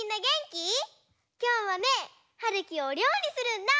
きょうはねはるきおりょうりするんだ！